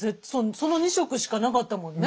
その２色しかなかったもんね。